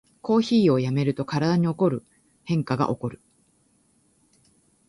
コーヒーをやめると体に起こる変化がおこる